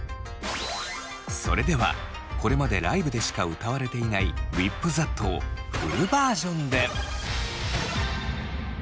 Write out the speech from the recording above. それではこれまでライブでしか歌われていない「ＷＨＩＰＴＨＡＴ」をフルバージョンで。